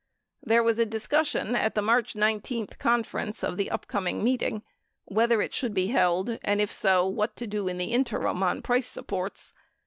35 There was a discussion at the March 19 conference of the upcoming meeting— whether it should be held and, if so, what to do in the interim on price supports.